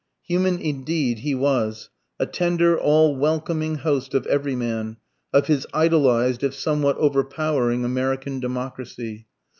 Human, indeed, he was, a tender, all welcoming host of Everyman, of his idolized (if somewhat overpowering) American democracy.